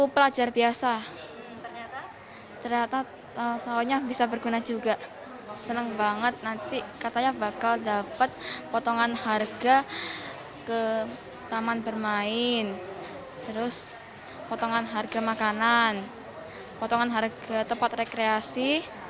potongan harga makanan potongan harga tempat rekreasi